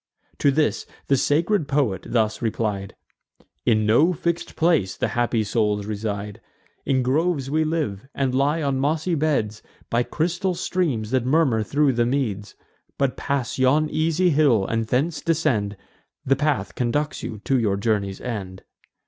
To this the sacred poet thus replied: "In no fix'd place the happy souls reside. In groves we live, and lie on mossy beds, By crystal streams, that murmur thro' the meads: But pass yon easy hill, and thence descend; The path conducts you to your journey's end."